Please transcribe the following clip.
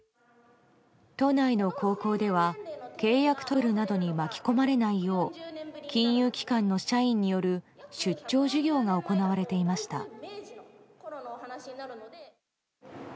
都内の高校では契約トラブルなどに巻き込まれないよう金融機関の社員による出張授業が行われていました。